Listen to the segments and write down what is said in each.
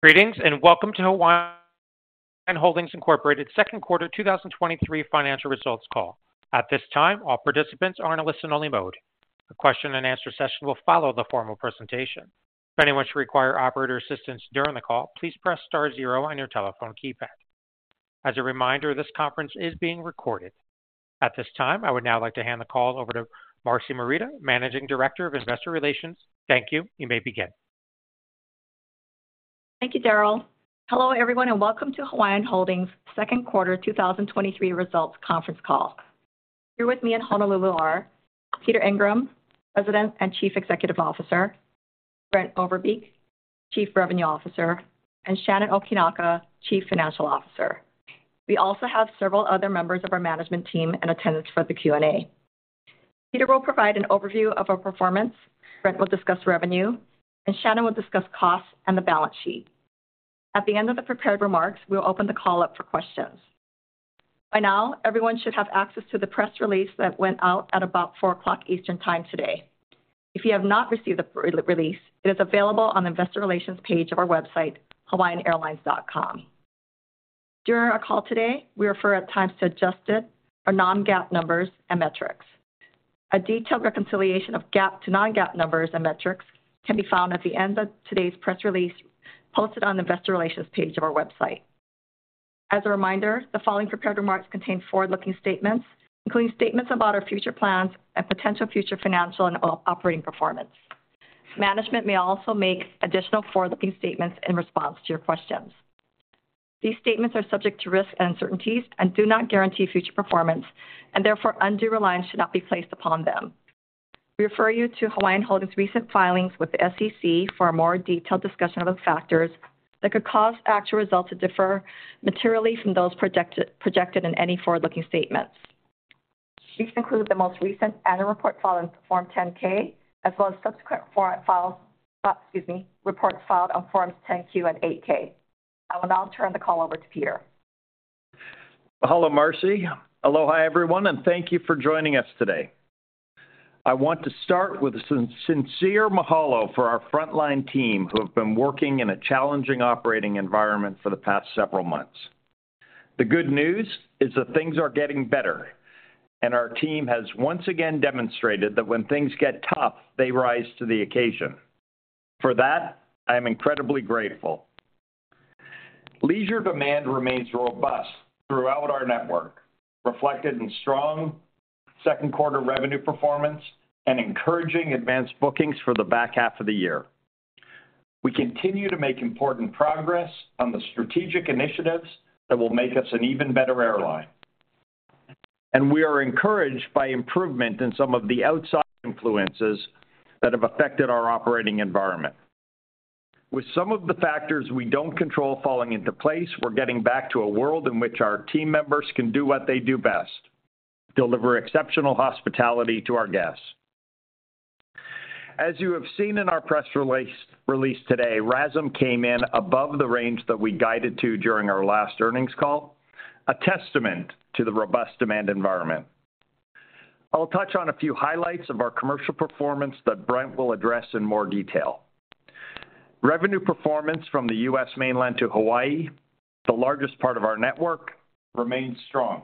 Greetings, and welcome to Hawaiian Holdings, Inc. Second Quarter 2023 financial results call. At this time, all participants are in a listen-only mode. A Q&A session will follow the formal presentation. If anyone should require operator assistance during the call, please press star zero on your telephone keypad. As a reminder, this conference is being recorded. At this time, I would now like to hand the call over to Marcy Morita, Managing Director of Investor Relations. Thank you. You may begin. Thank you, Daryl. Hello, everyone, welcome to Hawaiian Holdings second quarter 2023 results conference call. Here with me in Honolulu are Peter Ingram, President and Chief Executive Officer, Brent Overbeek, Chief Revenue Officer, and Shannon Okinaka, Chief Financial Officer. We also have several other members of our management team in attendance for the Q&A. Peter will provide an overview of our performance, Brent will discuss revenue, Shannon will discuss costs and the balance sheet. At the end of the prepared remarks, we'll open the call up for questions. By now, everyone should have access to the press release that went out at about 4:00 Eastern Time today. If you have not received the press release, it is available on the Investor Relations page of our website, hawaiianairlines.com. During our call today, we refer at times to adjusted or non-GAAP numbers and metrics. A detailed reconciliation of GAAP to non-GAAP numbers and metrics can be found at the end of today's press release, posted on the Investor Relations page of our website. As a reminder, the following prepared remarks contain forward-looking statements, including statements about our future plans and potential future financial and operating performance. Management may also make additional forward-looking statements in response to your questions. These statements are subject to risks and uncertainties and do not guarantee future performance, and therefore undue reliance should not be placed upon them. We refer you to Hawaiian Holdings' recent filings with the SEC for a more detailed discussion of the factors that could cause actual results to differ materially from those projected in any forward-looking statements. These include the most recent annual report filed in Form 10-K, as well as subsequent reports filed on Forms 10-Q and 8-K. I will now turn the call over to Peter. Mahalo, Marcy. Aloha, everyone, thank you for joining us today. I want to start with a sincere mahalo for our frontline team, who have been working in a challenging operating environment for the past several months. The good news is that things are getting better, our team has once again demonstrated that when things get tough, they rise to the occasion. For that, I am incredibly grateful. Leisure demand remains robust throughout our network, reflected in strong second quarter revenue performance and encouraging advanced bookings for the back half of the year. We continue to make important progress on the strategic initiatives that will make us an even better airline, we are encouraged by improvement in some of the outside influences that have affected our operating environment. With some of the factors we don't control falling into place, we're getting back to a world in which our team members can do what they do best: deliver exceptional hospitality to our guests. As you have seen in our press release today, RASM came in above the range that we guided to during our last earnings call, a testament to the robust demand environment. I'll touch on a few highlights of our commercial performance that Brent will address in more detail. Revenue performance from the U.S. mainland to Hawaii, the largest part of our network, remains strong,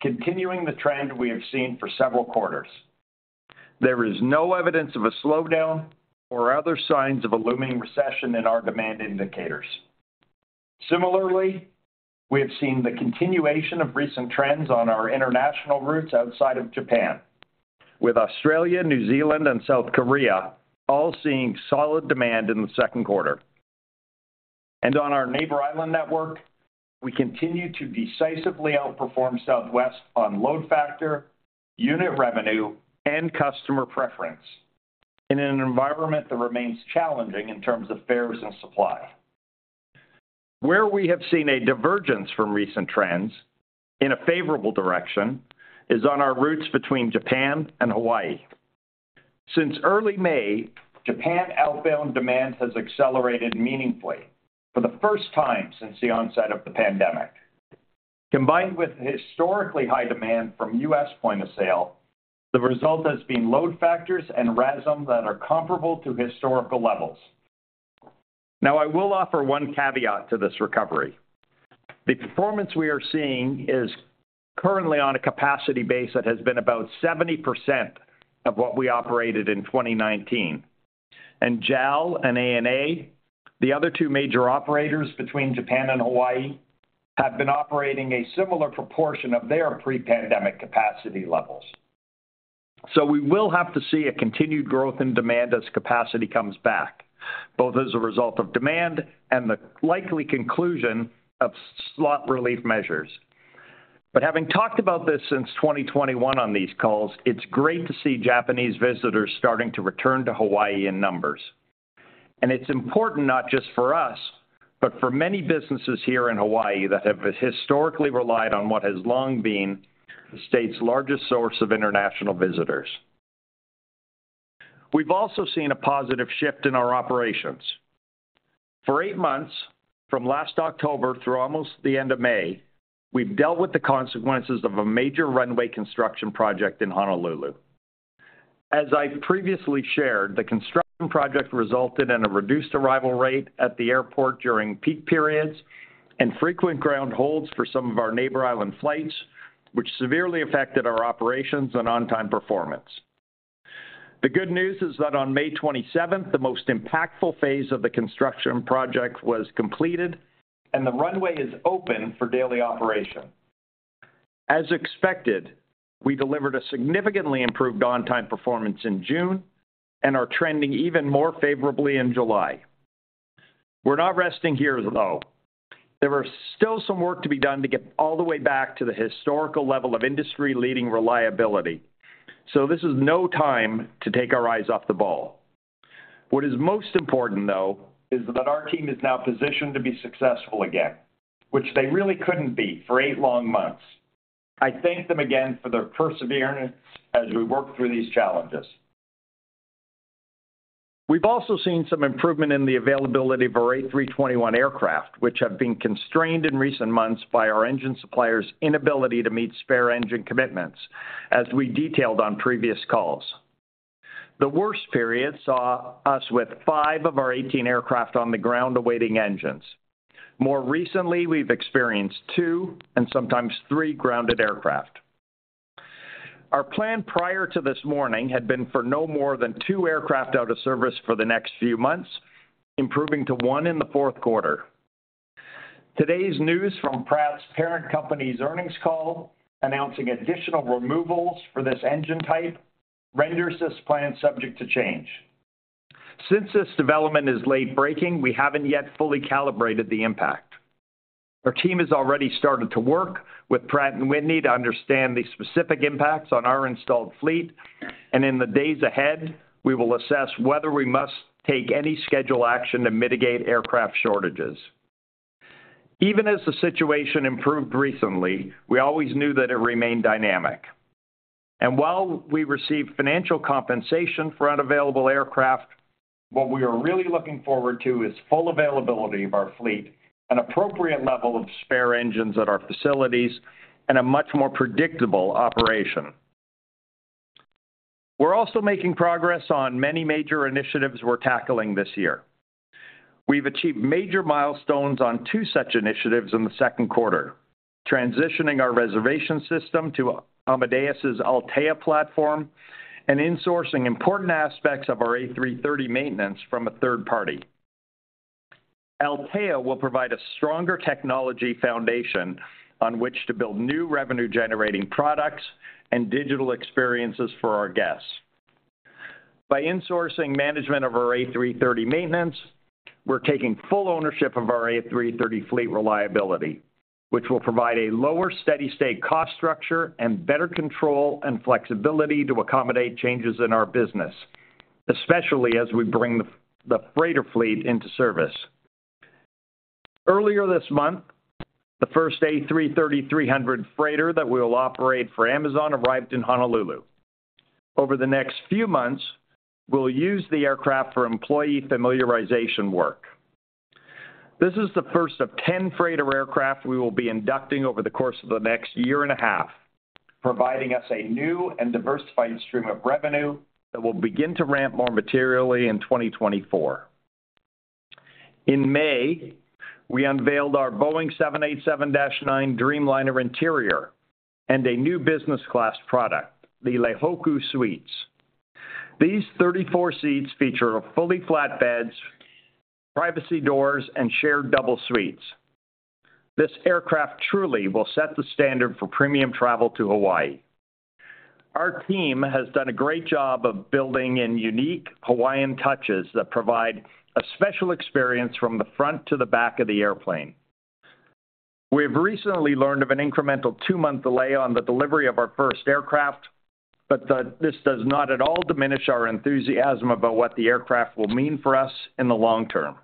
continuing the trend we have seen for several quarters. There is no evidence of a slowdown or other signs of a looming recession in our demand indicators. Similarly, we have seen the continuation of recent trends on our international routes outside of Japan, with Australia, New Zealand, and South Korea all seeing solid demand in the second quarter. On our Neighbor Island network, we continue to decisively outperform Southwest on load factor, unit revenue, and customer preference in an environment that remains challenging in terms of fares and supply. Where we have seen a divergence from recent trends in a favorable direction is on our routes between Japan and Hawaii. Since early May, Japan outbound demand has accelerated meaningfully for the first time since the onset of the pandemic. Combined with historically high demand from U.S. point of sale, the result has been load factors and RASM that are comparable to historical levels. I will offer one caveat to this recovery. The performance we are seeing is currently on a capacity base that has been about 70% of what we operated in 2019, and JAL and ANA, the other two major operators between Japan and Hawaii, have been operating a similar proportion of their pre-pandemic capacity levels. We will have to see a continued growth in demand as capacity comes back, both as a result of demand and the likely conclusion of slot relief measures. Having talked about this since 2021 on these calls, it's great to see Japanese visitors starting to return to Hawaii in numbers. It's important not just for us, but for many businesses here in Hawaii that have historically relied on what has long been the state's largest source of international visitors. We've also seen a positive shift in our operations. For eight months, from last October through almost the end of May, we've dealt with the consequences of a major runway construction project in Honolulu. As I previously shared, the construction project resulted in a reduced arrival rate at the airport during peak periods and frequent ground holds for some of our neighbor island flights, which severely affected our operations and on-time performance. The good news is that on May 27th, the most impactful phase of the construction project was completed, and the runway is open for daily operation. As expected, we delivered a significantly improved on-time performance in June and are trending even more favorably in July. We're not resting here, though. There are still some work to be done to get all the way back to the historical level of industry-leading reliability, so this is no time to take our eyes off the ball. What is most important, though, is that our team is now positioned to be successful again, which they really couldn't be for eight long months. I thank them again for their perseverance as we work through these challenges. We've also seen some improvement in the availability of our A321 aircraft, which have been constrained in recent months by our engine suppliers' inability to meet spare engine commitments, as we detailed on previous calls. The worst period saw us with 5 of our 18 aircraft on the ground awaiting engines. More recently, we've experienced two and sometimes three grounded aircraft. Our plan prior to this morning had been for no more than two aircraft out of service for the next few months, improving to one in the fourth quarter. Today's news from Pratt's parent company's earnings call, announcing additional removals for this engine type, renders this plan subject to change. Since this development is late breaking, we haven't yet fully calibrated the impact. Our team has already started to work with Pratt & Whitney to understand the specific impacts on our installed fleet. In the days ahead, we will assess whether we must take any schedule action to mitigate aircraft shortages. Even as the situation improved recently, we always knew that it remained dynamic. While we received financial compensation for unavailable aircraft, what we are really looking forward to is full availability of our fleet, an appropriate level of spare engines at our facilities, and a much more predictable operation. We're also making progress on many major initiatives we're tackling this year. We've achieved major milestones on two such initiatives in the second quarter, transitioning our reservation system to Amadeus's Altéa platform and insourcing important aspects of our A330 maintenance from a third party. Altéa will provide a stronger technology foundation on which to build new revenue-generating products and digital experiences for our guests. By insourcing management of our A330 maintenance, we're taking full ownership of our A330 fleet reliability, which will provide a lower steady state cost structure and better control and flexibility to accommodate changes in our business, especially as we bring the freighter fleet into service. Earlier this month, the first A330-300 freighter that we will operate for Amazon arrived in Honolulu. Over the next few months, we'll use the aircraft for employee familiarization work. This is the first of 10 freighter aircraft we will be inducting over the course of the next year and a half, providing us a new and diversified stream of revenue that will begin to ramp more materially in 2024. In May, we unveiled our Boeing 787-9 Dreamliner interior and a new business class product, the Leihōkū Suites. These 34 seats feature a fully flat beds, privacy doors, and shared double suites. This aircraft truly will set the standard for premium travel to Hawaii. Our team has done a great job of building in unique Hawaiian touches that provide a special experience from the front to the back of the airplane. We've recently learned of an incremental two-month delay on the delivery of our first aircraft. This does not at all diminish our enthusiasm about what the aircraft will mean for us in the long term.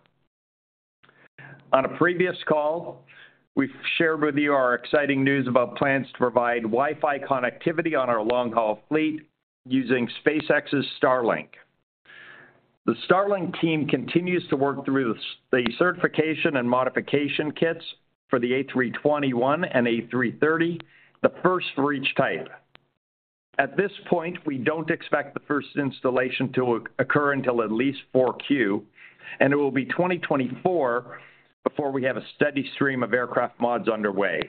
On a previous call, we've shared with you our exciting news about plans to provide Wi-Fi connectivity on our long-haul fleet using SpaceX's Starlink. The Starlink team continues to work through the certification and modification kits for the A321 and A330, the first for each type. At this point, we don't expect the first installation to occur until at least 4Q, and it will be 2024 before we have a steady stream of aircraft mods underway.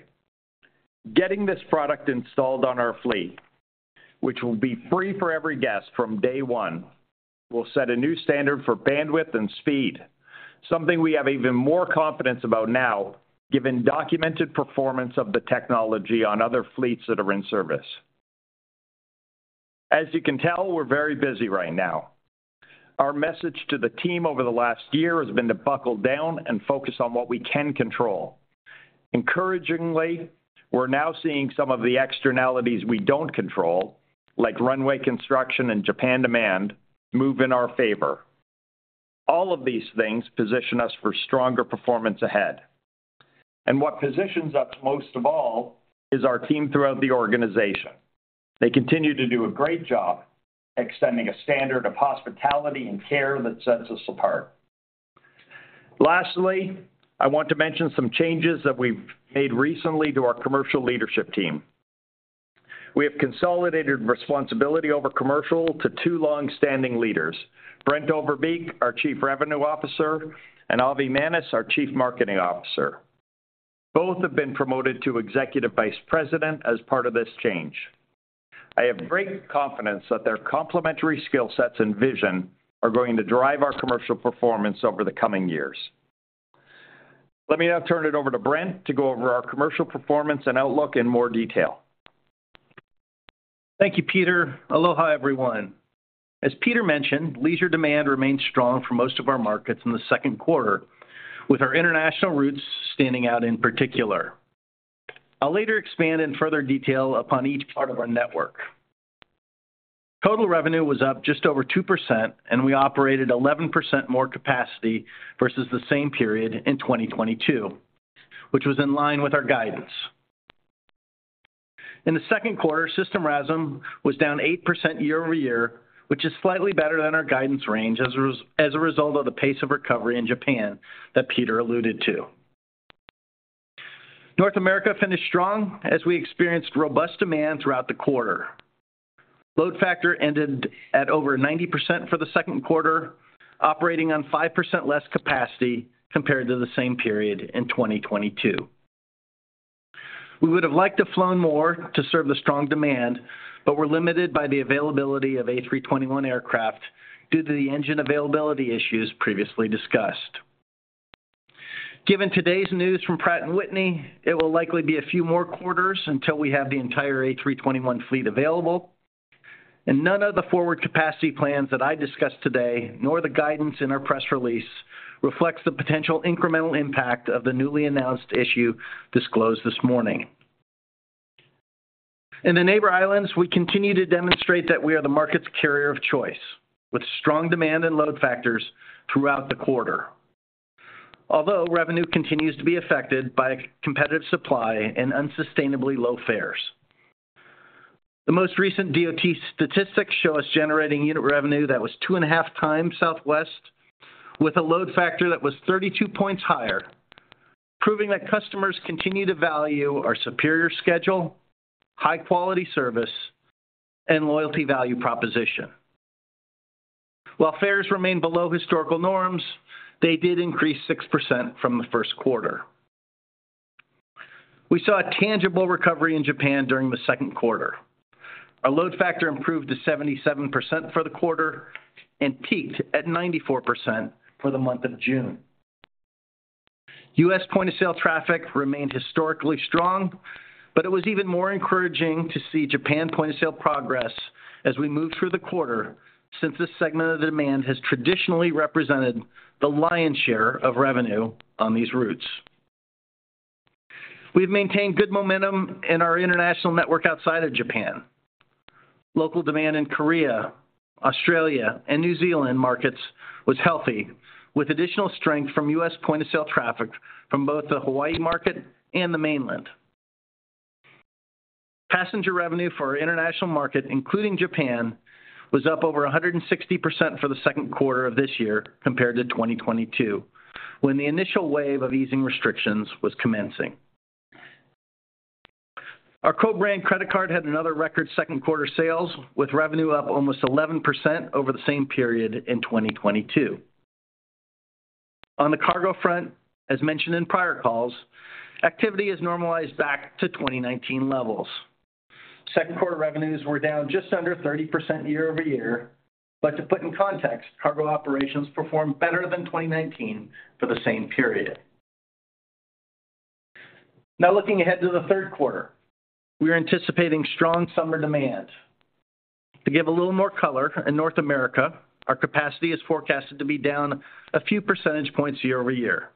Getting this product installed on our fleet, which will be free for every guest from day one, will set a new standard for bandwidth and speed, something we have even more confidence about now, given documented performance of the technology on other fleets that are in service. As you can tell, we're very busy right now. Our message to the team over the last year has been to buckle down and focus on what we can control. Encouragingly, we're now seeing some of the externalities we don't control, like runway construction and Japan demand, move in our favor. All of these things position us for stronger performance ahead, and what positions us most of all is our team throughout the organization. They continue to do a great job extending a standard of hospitality and care that sets us apart. Lastly, I want to mention some changes that we've made recently to our commercial leadership team. We have consolidated responsibility over commercial to two long-standing leaders, Brent Overbeek, our Chief Revenue Officer, and Avi Mannis, our Chief Marketing Officer. Both have been promoted to Executive Vice President as part of this change. I have great confidence that their complementary skill sets and vision are going to drive our commercial performance over the coming years. Let me now turn it over to Brent to go over our commercial performance and outlook in more detail. Thank you, Peter. Aloha, everyone. As Peter mentioned, leisure demand remained strong for most of our markets in the second quarter, with our international routes standing out in particular. I'll later expand in further detail upon each part of our network. Total revenue was up just over 2%. We operated 11% more capacity versus the same period in 2022, which was in line with our guidance. In the second quarter, system RASM was down 8% year-over-year, which is slightly better than our guidance range as a result of the pace of recovery in Japan that Peter alluded to. North America finished strong as we experienced robust demand throughout the quarter. Load factor ended at over 90% for the second quarter, operating on 5% less capacity compared to the same period in 2022. We would have liked to flown more to serve the strong demand, but we're limited by the availability of A321 aircraft due to the engine availability issues previously discussed. Given today's news from Pratt & Whitney, it will likely be a few more quarters until we have the entire A321 fleet available, and none of the forward capacity plans that I discussed today, nor the guidance in our press release, reflects the potential incremental impact of the newly announced issue disclosed this morning. In the Neighbor Islands, we continue to demonstrate that we are the market's carrier of choice, with strong demand and load factors throughout the quarter. Although revenue continues to be affected by competitive supply and unsustainably low fares. The most recent DOT statistics show us generating unit revenue that was 2.5 times Southwest, with a load factor that was 32 points higher, proving that customers continue to value our superior schedule, high-quality service, and loyalty value proposition. While fares remain below historical norms, they did increase 6% from the first quarter. We saw a tangible recovery in Japan during the second quarter. Our load factor improved to 77 for the quarter and peaked at 94% for the month of June. U.S. point-of-sale traffic remained historically strong, but it was even more encouraging to see Japan point-of-sale progress as we moved through the quarter, since this segment of demand has traditionally represented the lion's share of revenue on these routes. We've maintained good momentum in our international network outside of Japan. Local demand in Korea, Australia, and New Zealand markets was healthy, with additional strength from U.S. point-of-sale traffic from both the Hawaii market and the mainland. Passenger revenue for our international market, including Japan, was up over 160% for the second quarter of this year compared to 2022, when the initial wave of easing restrictions was commencing. Our co-brand credit card had another record second-quarter sales, with revenue up almost 11% over the same period in 2022. On the cargo front, as mentioned in prior calls, activity has normalized back to 2019 levels. Second-quarter revenues were down just under 30% year-over-year, to put in context, cargo operations performed better than 2019 for the same period. Looking ahead to the third quarter, we are anticipating strong summer demand. To give a little more color, in North America, our capacity is forecasted to be down a few percentage points year-over-year.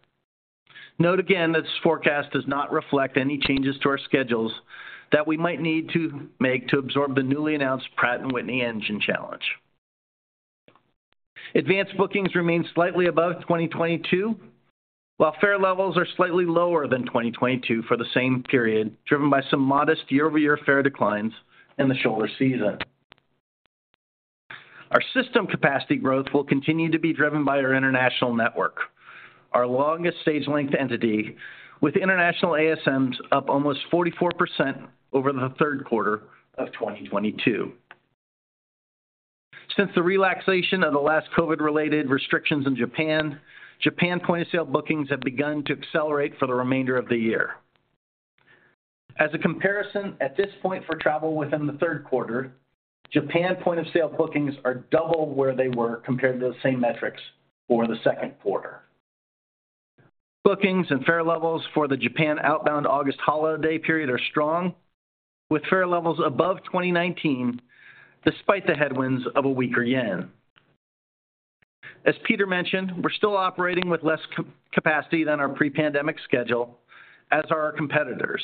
Note again, that this forecast does not reflect any changes to our schedules that we might need to make to absorb the newly announced Pratt & Whitney engine challenge. Advanced bookings remain slightly above 2022, while fare levels are slightly lower than 2022 for the same period, driven by some modest year-over-year fare declines in the shoulder season. Our system capacity growth will continue to be driven by our international network, our longest stage length entity, with international ASMs up almost 44% over the third quarter of 2022. Since the relaxation of the last COVID-related restrictions in Japan point-of-sale bookings have begun to accelerate for the remainder of the year. A comparison, at this point for travel within the third quarter, Japan point-of-sale bookings are double where they were compared to the same metrics for the second quarter. Bookings and fare levels for the Japan outbound August holiday period are strong, with fare levels above 2019, despite the headwinds of a weaker yen. As Peter mentioned, we're still operating with less capacity than our pre-pandemic schedule, as are our competitors.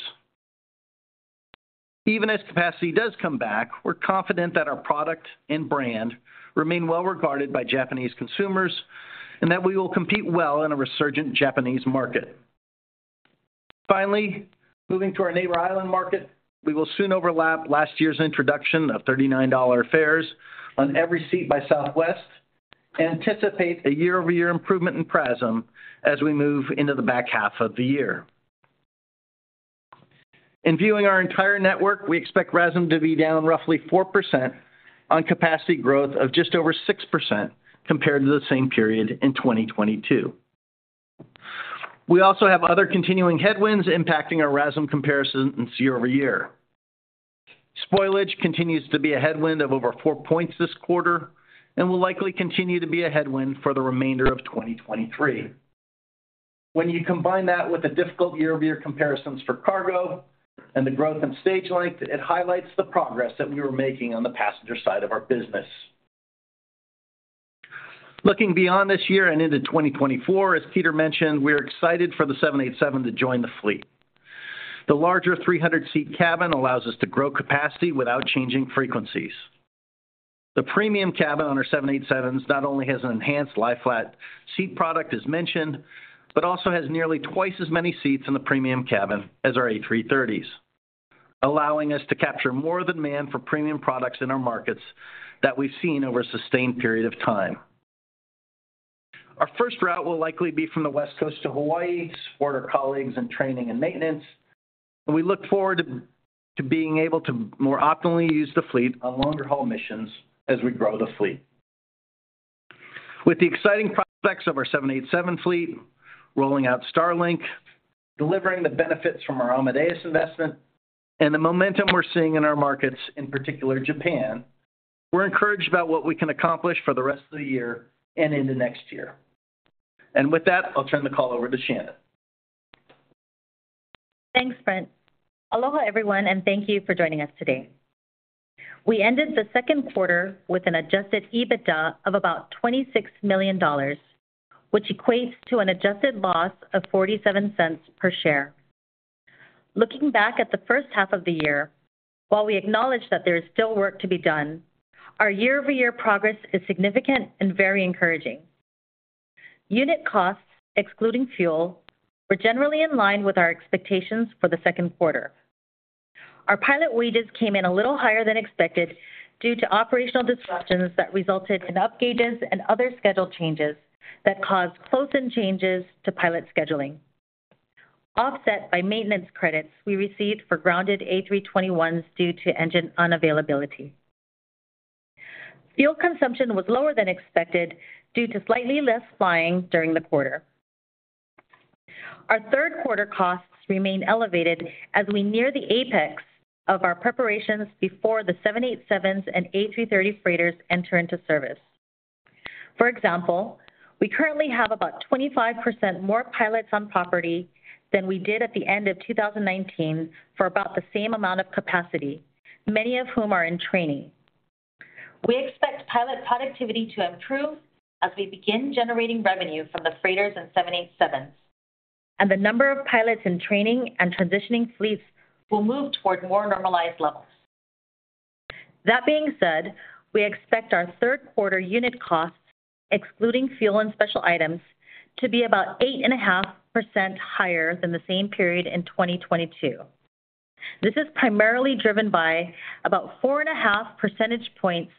Even as capacity does come back, we're confident that our product and brand remain well-regarded by Japanese consumers and that we will compete well in a resurgent Japanese market. Moving to our Neighbor Island market, we will soon overlap last year's introduction of $39 fares on every seat by Southwest, and anticipate a year-over-year improvement in PRASM as we move into the back half of the year. In viewing our entire network, we expect RASM to be down roughly 4% on capacity growth of just over 6% compared to the same period in 2022. We also have other continuing headwinds impacting our RASM comparison in year-over-year. Spoilage continues to be a headwind of over four points this quarter and will likely continue to be a headwind for the remainder of 2023. When you combine that with the difficult year-over-year comparisons for cargo and the growth in stage length, it highlights the progress that we were making on the passenger side of our business. Looking beyond this year and into 2024, as Peter mentioned, we are excited for the 787-9 to join the fleet. The larger 300-seat cabin allows us to grow capacity without changing frequencies. The premium cabin on our 787s not only has an enhanced lie-flat seat product, as mentioned, but also has nearly twice as many seats in the premium cabin as our A330s, allowing us to capture more demand for premium products in our markets that we've seen over a sustained period of time. Our first route will likely be from the West Coast to Hawaii to support our colleagues in training and maintenance, and we look forward to being able to more optimally use the fleet on longer-haul missions as we grow the fleet. With the exciting prospects of our 787 fleet, rolling out Starlink, delivering the benefits from our Amadeus investment, and the momentum we're seeing in our markets, in particular Japan, we're encouraged about what we can accomplish for the rest of the year and into next year. With that, I'll turn the call over to Shannon. Thanks, Brent. Aloha, everyone, and thank you for joining us today. We ended the second quarter with an adjusted EBITDA of about $26 million, which equates to an adjusted loss of $0.47 per share. Looking back at the first half of the year, while we acknowledge that there is still work to be done, our year-over-year progress is significant and very encouraging. Unit costs, excluding fuel, were generally in line with our expectations for the second quarter. Our pilot wages came in a little higher than expected due to operational disruptions that resulted in up gauges and other schedule changes that caused close-in changes to pilot scheduling. Offset by maintenance credits we received for grounded A321s due to engine unavailability. Fuel consumption was lower than expected due to slightly less flying during the quarter. Our third quarter costs remain elevated as we near the apex of our preparations before the 787-9s and A330 freighters enter into service. For example, we currently have about 25% more pilots on property than we did at the end of 2019 for about the same amount of capacity, many of whom are in training. We expect pilot productivity to improve as we begin generating revenue from the freighters and 787-9s, and the number of pilots in training and transitioning fleets will move toward more normalized levels. That being said, we expect our third quarter unit costs, excluding fuel and special items, to be about 8.5% higher than the same period in 2022. This is primarily driven by about four and a half percentage points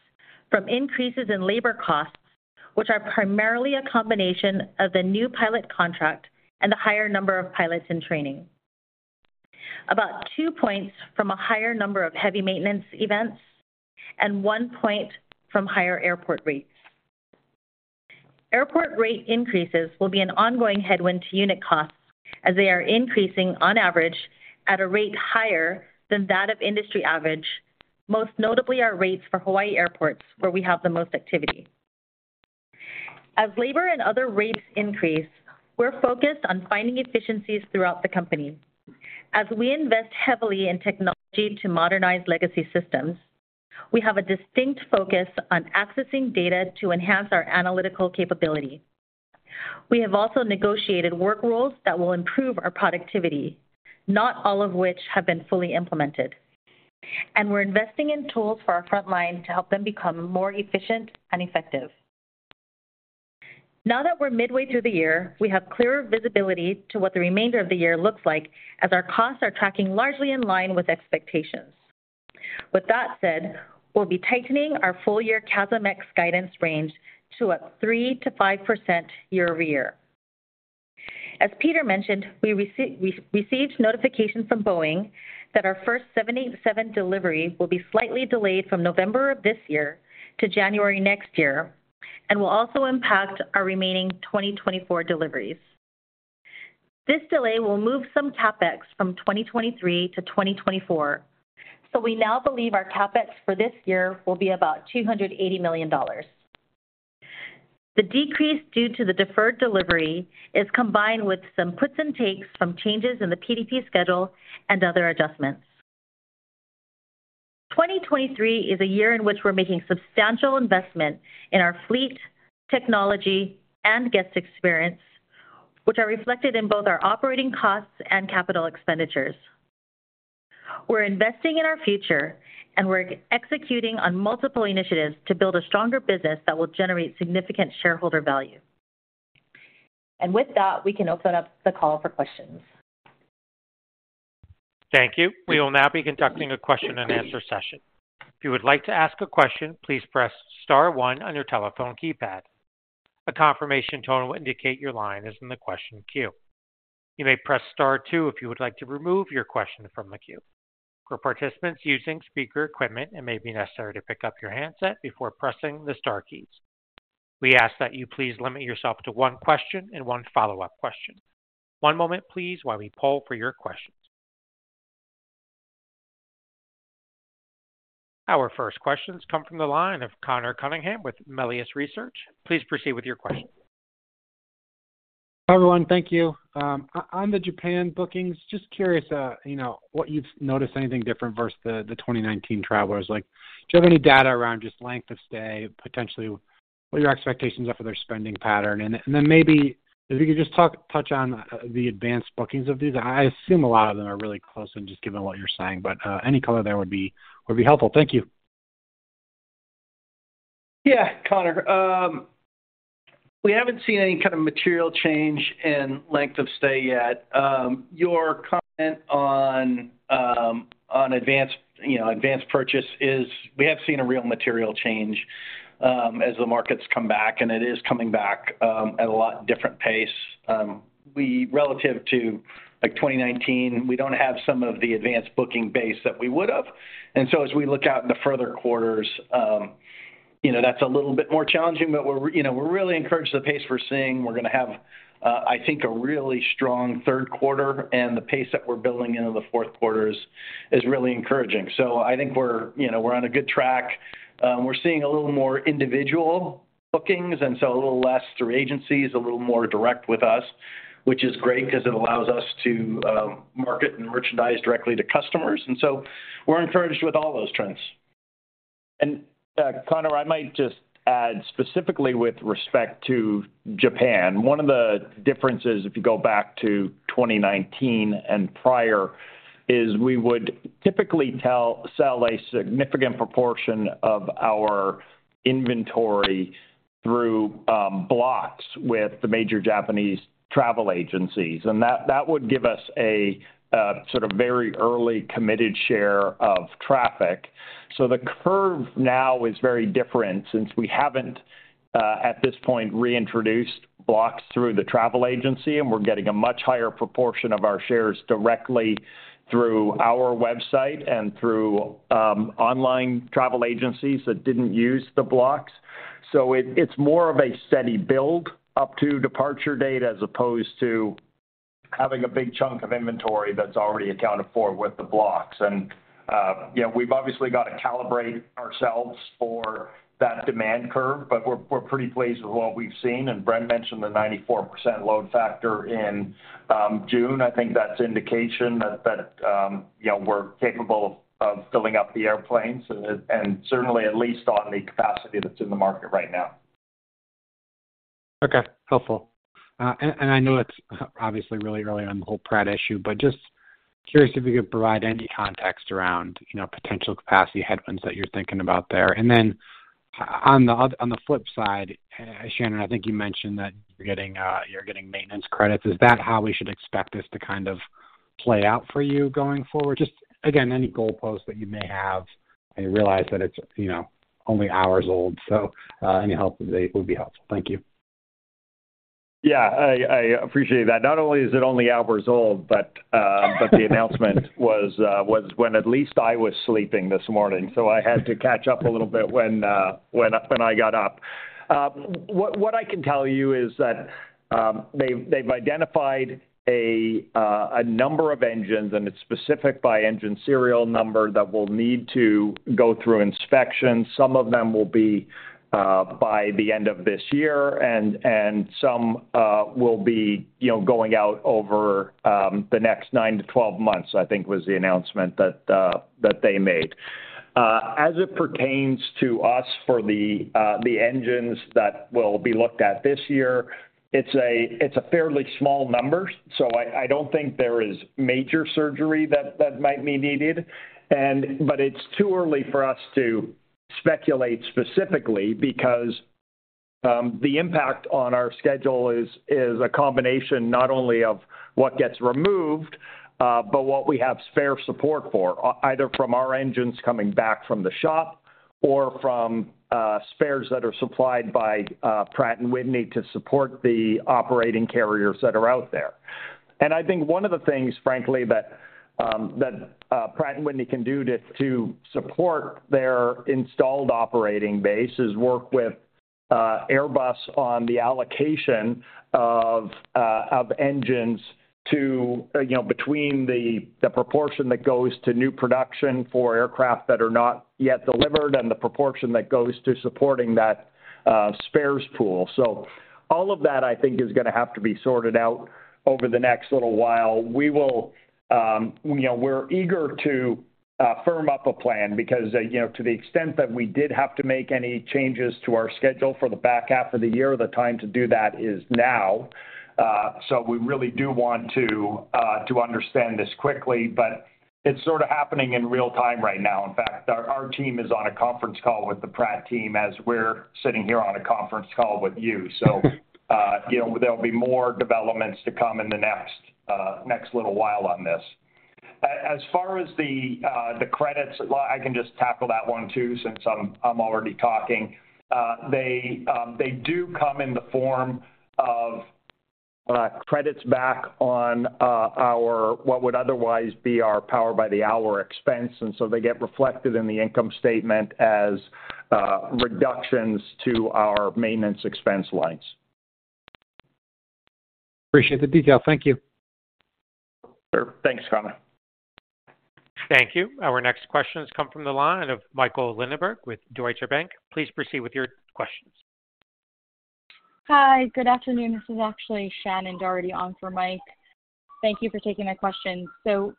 from increases in labor costs, which are primarily a combination of the new pilot contract and the higher number of pilots in training. About two points from a higher number of heavy maintenance events, and one point from higher airport rates. Airport rate increases will be an ongoing headwind to unit costs as they are increasing on average at a rate higher than that of industry average, most notably our rates for Hawaii airports, where we have the most activity. As labor and other rates increase, we're focused on finding efficiencies throughout the company. As we invest heavily in technology to modernize legacy systems, we have a distinct focus on accessing data to enhance our analytical capability. We have also negotiated work rules that will improve our productivity, not all of which have been fully implemented, and we're investing in tools for our frontline to help them become more efficient and effective. Now that we're midway through the year, we have clearer visibility to what the remainder of the year looks like, as our costs are tracking largely in line with expectations. With that said, we'll be tightening our full-year CASMex guidance range to a 3%-5% year-over-year. As Peter mentioned, we received notification from Boeing that our first 787 delivery will be slightly delayed from November of this year to January next year and will also impact our remaining 2024 deliveries. This delay will move some CapEx from 2023 to 2024, so we now believe our CapEx for this year will be about $280 million. The decrease due to the deferred delivery is combined with some puts and takes from changes in the PDP schedule and other adjustments. 2023 is a year in which we're making substantial investment in our fleet, technology, and guest experience, which are reflected in both our operating costs and capital expenditures. We're investing in our future, and we're executing on multiple initiatives to build a stronger business that will generate significant shareholder value. With that, we can open up the call for questions. Thank you. We will now be conducting a question and answer session. If you would like to ask a question, please press star one on your telephone keypad. A confirmation tone will indicate your line is in the question queue. You may press star two if you would like to remove your question from the queue. For participants using speaker equipment, it may be necessary to pick up your handset before pressing the star keys. We ask that you please limit yourself to one question and one follow-up question. One moment, please, while we poll for your questions. Our first questions come from the line of Conor Cunningham with Melius Research. Please proceed with your question. Hi, everyone. Thank you. On the Japan bookings, just curious, you know, what you've noticed anything different versus the 2019 travelers? Like, do you have any data around just length of stay, potentially, what your expectations are for their spending pattern? Then maybe if you could just touch on the advanced bookings of these. I assume a lot of them are really close and just given what you're saying, but any color there would be helpful. Thank you. Yeah, Conor, we haven't seen any kind of material change in length of stay yet. Your comment on advanced, you know, advanced purchase is we have seen a real material change as the markets come back, and it is coming back at a lot different pace. Relative to, like, 2019, we don't have some of the advanced booking base that we would have. As we look out in the further quarters, you know, that's a little bit more challenging, but we're, you know, we're really encouraged the pace we're seeing. We're going to have, I think, a really strong third quarter, and the pace that we're building into the fourth quarters is really encouraging. I think we're, you know, we're on a good track. We're seeing a little more individual bookings, a little less through agencies, a little more direct with us, which is great because it allows us to market and merchandise directly to customers. We're encouraged with all those trends. Conor, I might just add specifically with respect to Japan, one of the differences, if you go back to 2019 and prior, is we would typically sell a significant proportion of our inventory through blocks with the major Japanese travel agencies, and that would give us a sort of very early committed share of traffic. The curve now is very different since we haven't, at this point, reintroduced blocks through the travel agency, and we're getting a much higher proportion of our shares directly through our website and through online travel agencies that didn't use the blocks. It's more of a steady build up to departure date as opposed to having a big chunk of inventory that's already accounted for with the blocks. You know, we've obviously got to calibrate ourselves for that demand curve, but we're pretty pleased with what we've seen. Brent mentioned the 94% load factor in June. I think that's indication that, you know, we're capable of filling up the airplanes and certainly at least on the capacity that's in the market right now. Okay, helpful. I know it's obviously really early on the whole Pratt issue, but just curious if you could provide any context around, you know, potential capacity headwinds that you're thinking about there. On the flip side, Shannon, I think you mentioned that you're getting maintenance credits. Is that how we should expect this to kind of play out for you going forward? Just again, any goalposts that you may have. I realize that it's, you know, only hours old, so, any help would be helpful. Thank you. Yeah, I appreciate that. Not only is it only hours old, but the announcement was when at least I was sleeping this morning, so I had to catch up a little bit when I got up. What I can tell you is that they've identified a number of engines, and it's specific by engine serial number, that will need to go through inspection. Some of them will be by the end of this year, and some will be, you know, going out over the next 9-12 months, I think was the announcement that they made. As it pertains to us for the engines that will be looked at this year, it's a fairly small number. I don't think there is major surgery that might be needed. It's too early for us to speculate specifically because the impact on our schedule is a combination not only of what gets removed, but what we have spare support for, either from our engines coming back from the shop or from spares that are supplied by Pratt & Whitney to support the operating carriers that are out there. I think one of the things, frankly, that Pratt & Whitney can do to support their installed operating base is work with Airbus on the allocation of engines to, you know, between the proportion that goes to new production for aircraft that are not yet delivered and the proportion that goes to supporting that spares pool. All of that, I think, is going to have to be sorted out over the next little while. We will, you know, we're eager to firm up a plan, because, you know, to the extent that we did have to make any changes to our schedule for the back half of the year, the time to do that is now. We really do want to understand this quickly, but it's sort of happening in real time right now. In fact, our team is on a conference call with the Pratt team as we're sitting here on a conference call with you. You know, there'll be more developments to come in the next little while on this. As far as the credits, well, I can just tackle that one too, since I'm already talking. They do come in the form of credits back on our what would otherwise be our power by the hour expense, they get reflected in the income statement as reductions to our maintenance expense lines. Appreciate the detail. Thank you. Sure. Thanks, Connor. Thank you. Our next question has come from the line of Michael Linenberg with Deutsche Bank. Please proceed with your questions. Hi, good afternoon. This is actually Shannon Doherty on for Mike. Thank you for taking my question.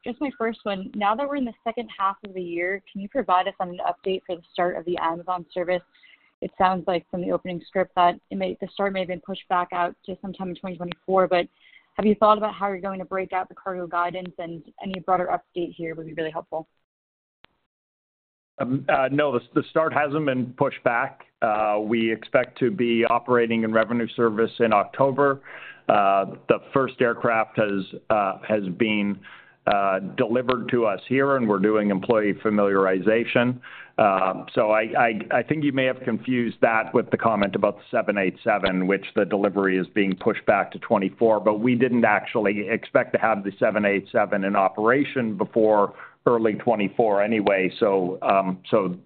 Just my first one, now that we're in the second half of the year, can you provide us an update for the start of the Amazon service? It sounds like from the opening script that the start may have been pushed back out to sometime in 2024, but have you thought about how you're going to break out the cargo guidance, and any broader update here would be really helpful. No, the start hasn't been pushed back. We expect to be operating in revenue service in October. The first aircraft has been delivered to us here, and we're doing employee familiarization. I think you may have confused that with the comment about the 787, which the delivery is being pushed back to 2024, but we didn't actually expect to have the 787 in operation before early 2024 anyway. You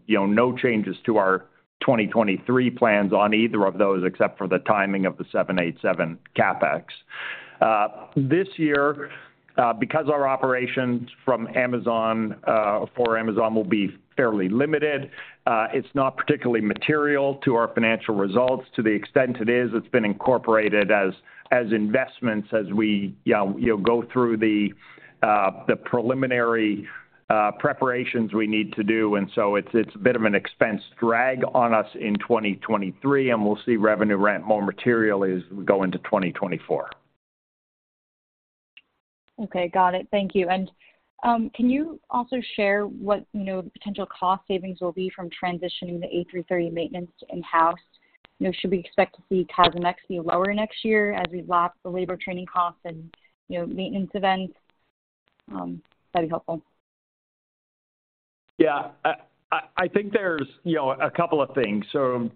know, no changes to our 2023 plans on either of those, except for the timing of the 787 CapEx. This year, because our operations from Amazon for Amazon will be fairly limited, it's not particularly material to our financial results. To the extent it is, it's been incorporated as investments as we, you know, go through the preliminary preparations we need to do. It's a bit of an expense drag on us in 2023, and we'll see revenue ramp more materially as we go into 2024. Okay, got it. Thank you. Can you also share what, you know, the potential cost savings will be from transitioning the A330 maintenance in-house? You know, should we expect to see CASMex be lower next year as we lap the labor training costs and, you know, maintenance events? That'd be helpful. I think there's, you know, a couple of things.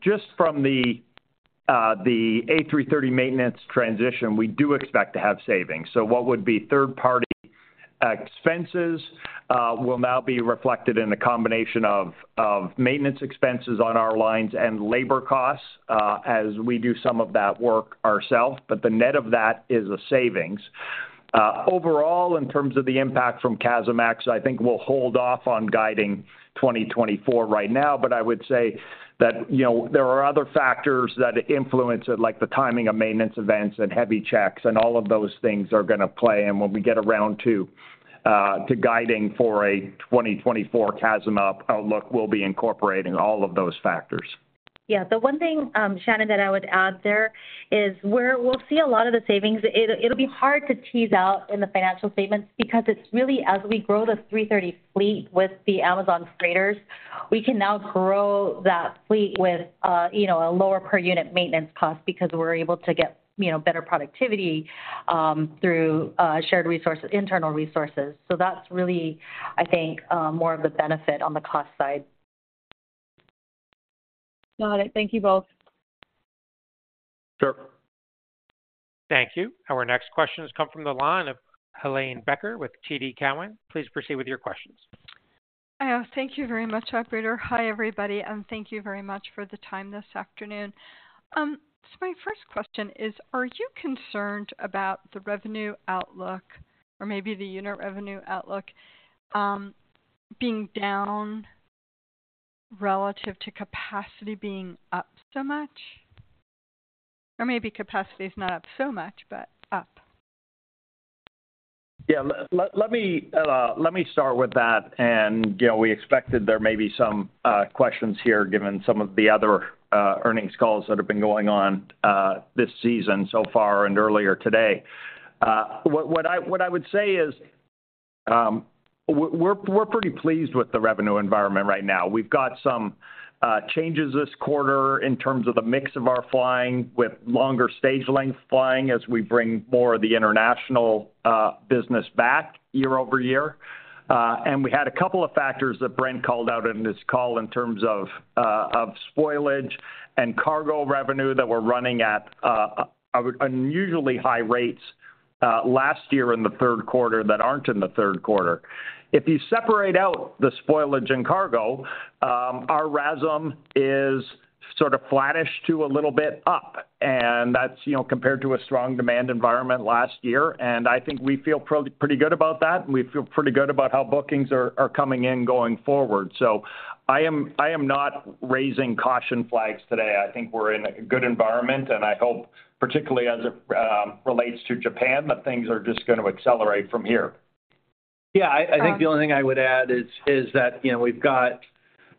Just from the A330 maintenance transition, we do expect to have savings. What would be third-party expenses will now be reflected in a combination of maintenance expenses on our lines and labor costs as we do some of that work ourselves, but the net of that is a savings. Overall, in terms of the impact from CASMex, I think we'll hold off on guiding 2024 right now, but I would say that, you know, there are other factors that influence it, like the timing of maintenance events and heavy checks, and all of those things are going to play. When we get around to guiding for a 2024 CASM up outlook, we'll be incorporating all of those factors. The one thing, Shannon, that I would add there is where we'll see a lot of the savings, it'll be hard to tease out in the financial statements because it's really as we grow the A330 fleet with the Amazon freighters, we can now grow that fleet with, you know, a lower per unit maintenance cost because we're able to get, you know, better productivity through shared resources, internal resources. That's really, I think, more of the benefit on the cost side. Got it. Thank you both. Sure. Thank you. Our next question has come from the line of Helane Becker with TD Cowen. Please proceed with your questions. Thank you very much, operator. Hi, everybody, thank you very much for the time this afternoon. My first question is, are you concerned about the revenue outlook or maybe the unit revenue outlook being down relative to capacity being up so much? Maybe capacity is not up so much, but up? Yeah, let me start with that. You know, we expected there may be some questions here given some of the other earnings calls that have been going on this season so far and earlier today. What I would say is, we're pretty pleased with the revenue environment right now. We've got some changes this quarter in terms of the mix of our flying, with longer stage length flying as we bring more of the international business back year-over-year. We had a couple of factors that Brent called out in this call in terms of spoilage and cargo revenue that were running at unusually high rates last year in the third quarter, that aren't in the third quarter. If you separate out the spoilage in cargo, our RASM is sort of flattish to a little bit up, that's, you know, compared to a strong demand environment last year. I think we feel pretty good about that, and we feel pretty good about how bookings are coming in going forward. I am not raising caution flags today. I think we're in a good environment, and I hope, particularly as it relates to Japan, that things are just going to accelerate from here. Yeah, I think the only thing I would add is that, you know, we've got,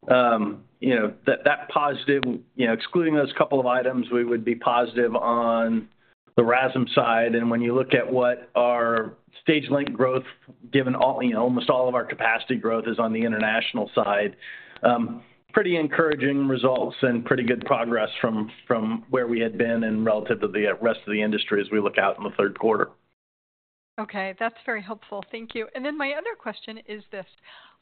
you know, that positive, you know, excluding those couple of items, we would be positive on the RASM side. When you look at what our stage link growth, given all, you know, almost all of our capacity growth is on the international side, pretty encouraging results and pretty good progress from where we had been and relative to the rest of the industry as we look out in the third quarter. Okay, that's very helpful. Thank you. My other question is this: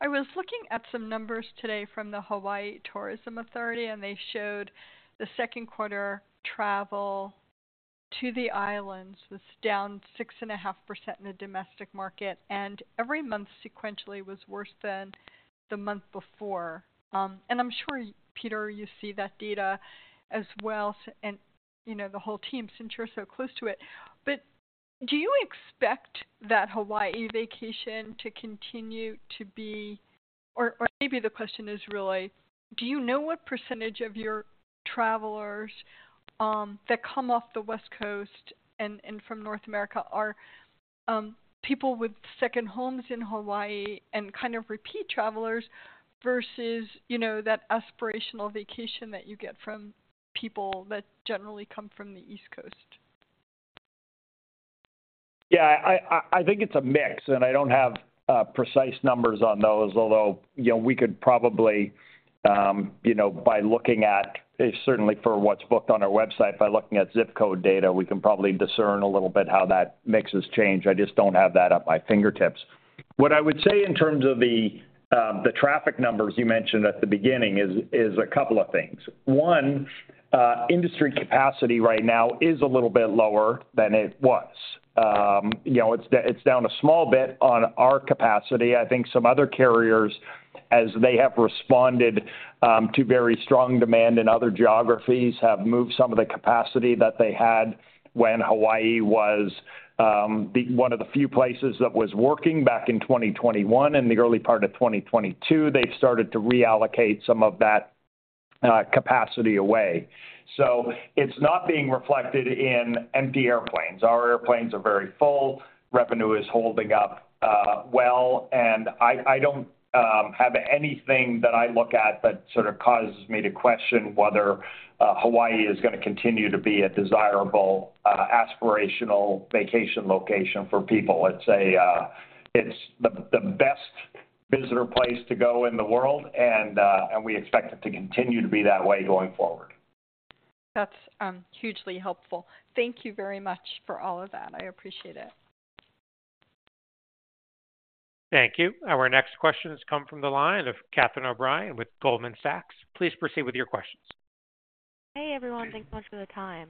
I was looking at some numbers today from the Hawaii Tourism Authority, and they showed the second quarter travel to the islands was down 6.5% in the domestic market, and every month sequentially was worse than the month before. I'm sure, Peter, you see that data as well, and, you know, the whole team, since you're so close to it. Do you expect that Hawaii vacation to continue or maybe the question is really, do you know what percentage of your travelers that come off the West Coast and from North America are people with second homes in Hawaii and kind of repeat travelers versus, you know, that aspirational vacation that you get from people that generally come from the East Coast? Yeah, I think it's a mix, and I don't have precise numbers on those, although, you know, we could probably, you know, by looking at certainly for what's booked on our website, by looking at zip code data, we can probably discern a little bit how that mix has changed. I just don't have that at my fingertips. What I would say in terms of the traffic numbers you mentioned at the beginning is a couple of things. One, industry capacity right now is a little bit lower than it was. You know, it's down a small bit on our capacity. I think some other carriers, as they have responded, to very strong demand in other geographies, have moved some of the capacity that they had when Hawaii was one of the few places that was working back in 2021 and the early part of 2022, they've started to reallocate some of that capacity away. It's not being reflected in empty airplanes. Our airplanes are very full, revenue is holding up well, and I don't have anything that I look at that sort of causes me to question whether Hawaii is gonna continue to be a desirable, aspirational vacation location for people. It's a, it's the best visitor place to go in the world, and we expect it to continue to be that way going forward. That's hugely helpful. Thank you very much for all of that. I appreciate it. Thank you. Our next question has come from the line of Katherine Brown with Goldman Sachs. Please proceed with your questions. Hey, everyone. Thanks so much for the time.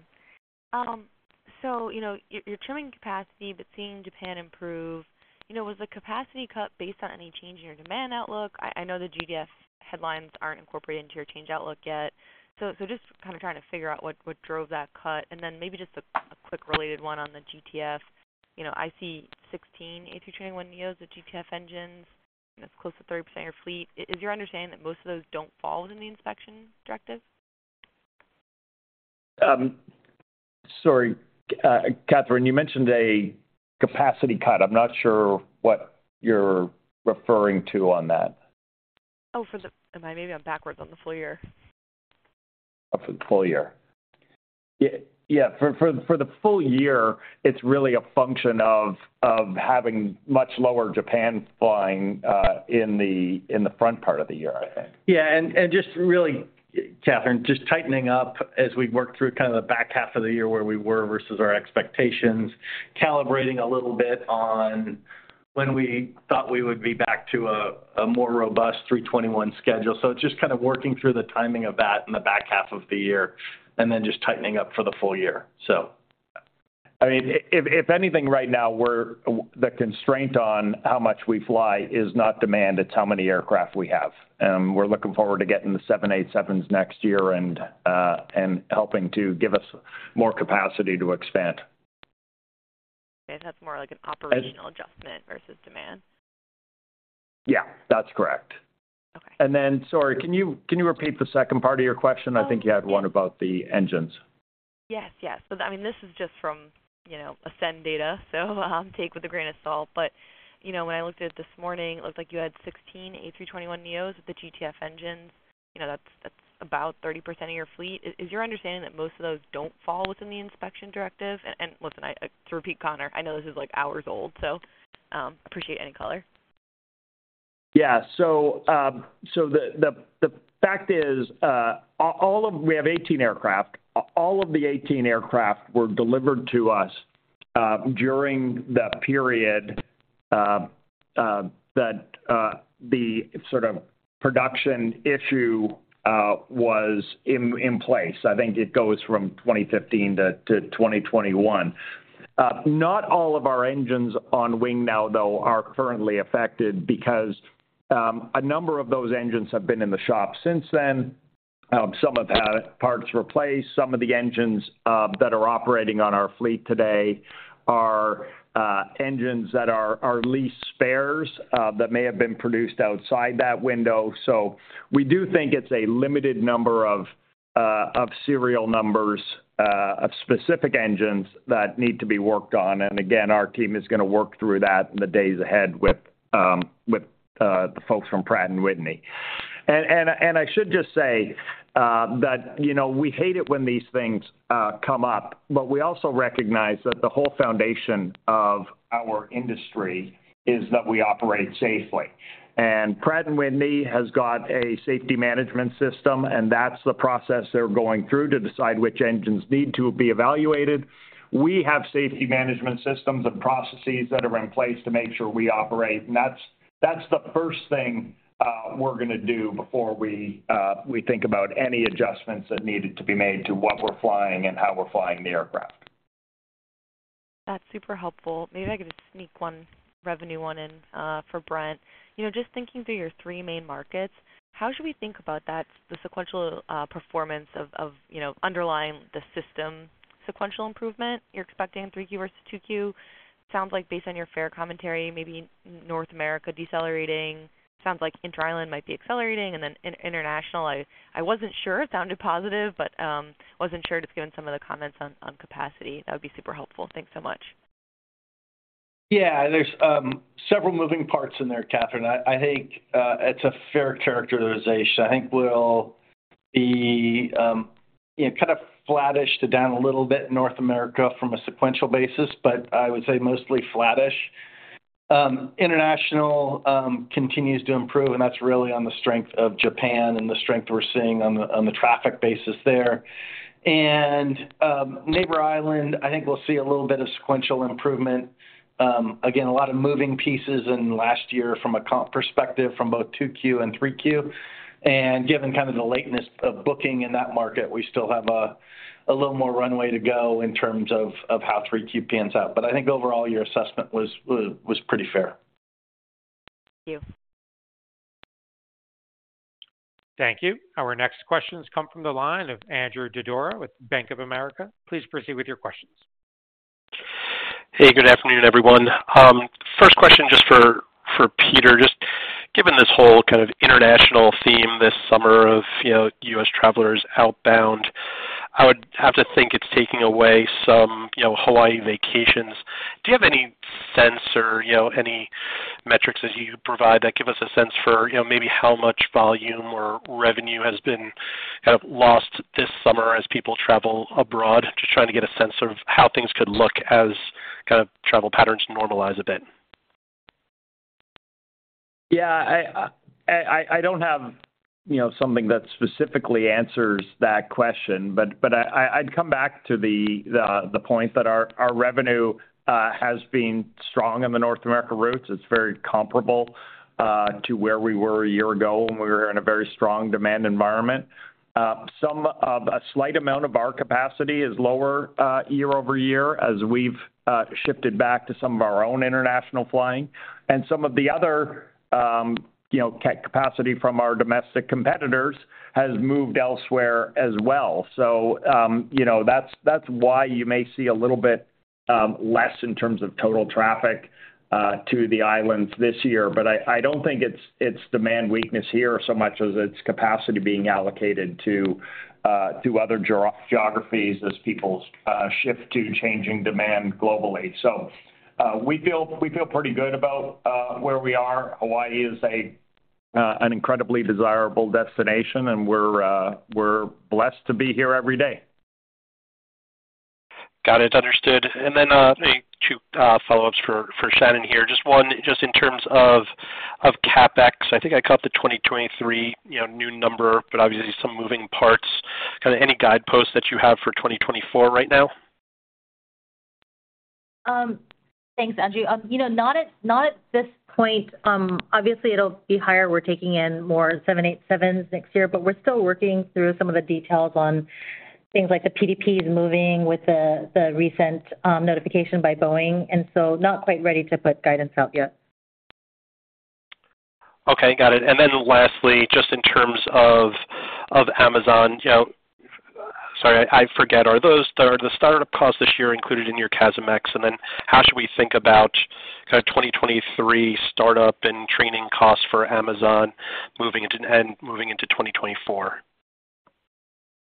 You know, you're trimming capacity, but seeing Japan improve, you know, was the capacity cut based on any change in your demand outlook? I know the GTF headlines aren't incorporated into your change outlook yet. Just kind of trying to figure out what drove that cut. Then maybe just a quick related one on the GTF. You know, I see 16 A321neos, the GTF engines, that's close to 30% of your fleet. Is your understanding that most of those don't fall within the inspection directive? Sorry, Katherine, you mentioned a capacity cut. I'm not sure what you're referring to on that. Oh, for the. Maybe I'm backwards on the full year. For the full year. Yeah, for the full year, it's really a function of having much lower Japan flying in the front part of the year, I think. Yeah, and just really, Katherine, just tightening up as we work through kind of the back half of the year, where we were versus our expectations, calibrating a little bit on when we thought we would be back to a more robust A321 schedule. It's just kind of working through the timing of that in the back half of the year and then just tightening up for the full year, so. I mean, if anything, right now, we're the constraint on how much we fly is not demand, it's how many aircraft we have, and we're looking forward to getting the 787s next year and helping to give us more capacity to expand. If that's more like an operational adjustment versus demand. Yeah, that's correct. Okay. Sorry, can you repeat the second part of your question? I think you had one about the engines. Yes, yes. I mean, this is just from, you know, Cirium Ascend data, so, take with a grain of salt. You know, when I looked at it this morning, it looked like you had 16 A321neos with the GTF engines. You know, that's about 30% of your fleet. Is your understanding that most of those don't fall within the inspection directive? Listen, to repeat, Conor, I know this is, like, hours old, so, appreciate any color. Yeah. The fact is, we have 18 aircraft. All of the 18 aircraft were delivered to us during the period that the sort of production issue was in place. I think it goes from 2015 to 2021. Not all of our engines on wing now, though, are currently affected because a number of those engines have been in the shop since then. Some have had parts replaced, some of the engines that are operating on our fleet today are engines that are our lease spares that may have been produced outside that window. We do think it's a limited number of serial numbers of specific engines that need to be worked on. Again, our team is going to work through that in the days ahead with the folks from Pratt & Whitney. I should just say that, you know, we hate it when these things come up, but we also recognize that the whole foundation of our industry is that we operate safely. Pratt & Whitney has got a safety management system, and that's the process they're going through to decide which engines need to be evaluated. We have safety management systems and processes that are in place to make sure we operate, and that's the first thing we're going to do before we think about any adjustments that needed to be made to what we're flying and how we're flying the aircraft. That's super helpful. Maybe I could just sneak one revenue one in for Brent. You know, just thinking through your three main markets, how should we think about that, the sequential performance of, you know, underlying the system sequential improvement you're expecting in 3Q versus 2Q? Sounds like based on your fair commentary, maybe North America decelerating. Sounds like Inter Island might be accelerating. In international, I wasn't sure. It sounded positive, but wasn't sure just given some of the comments on capacity. That would be super helpful. Thanks so much. Yeah, there's several moving parts in there, Katherine. I think it's a fair characterization. I think we'll be, you know, kind of flattish to down a little bit North America from a sequential basis, but I would say mostly flattish. International continues to improve, and that's really on the strength of Japan and the strength we're seeing on the traffic basis there. Neighbor Island, I think we'll see a little bit of sequential improvement. Again, a lot of moving pieces in last year from a comp perspective from both 2Q and 3Q. Given kind of the lateness of booking in that market, we still have a little more runway to go in terms of how 3Q pans out. I think overall, your assessment was pretty fair. Thank you. Thank you. Our next questions come from the line of Andrew Didora with Bank of America. Please proceed with your questions. Hey, good afternoon, everyone. First question, just for Peter, just given this whole kind of international theme this summer of, you know, U.S. travelers outbound, I would have to think it's taking away some, you know, Hawaii vacations. Do you have any sense or, you know, any metrics that you could provide that give us a sense for, you know, maybe how much volume or revenue has been kind of lost this summer as people travel abroad? Just trying to get a sense of how things could look as kind of travel patterns normalize a bit. Yeah, I don't have, you know, something that specifically answers that question, but I'd come back to the point that our revenue has been strong in the North America routes. It's very comparable to where we were a year ago when we were in a very strong demand environment. A slight amount of our capacity is lower year over year as we've shifted back to some of our own international flying. Some of the other, you know, capacity from our domestic competitors has moved elsewhere as well. You know, that's why you may see a little bit less in terms of total traffic to the islands this year. I don't think it's demand weakness here so much as it's capacity being allocated to other geographies as people shift to changing demand globally. We feel pretty good about where we are. Hawaii is an incredibly desirable destination, and we're blessed to be here every day. Got it, understood. Maybe two follow-ups for Shannon here. Just one, in terms of CapEx. I think I caught the 2023, you know, new number, but obviously some moving parts. Kind of any guideposts that you have for 2024 right now? Thanks, Andrew. You know, not at this point. Obviously, it'll be higher. We're taking in more 787s next year, but we're still working through some of the details on things like the PDP is moving with the recent notification by Boeing, not quite ready to put guidance out yet. Okay, got it. Lastly, just in terms of Amazon, you know, Sorry, I forget, are those the startup costs this year included in your CASMex? How should we think about kind of 2023 startup and training costs for Amazon moving into 2024?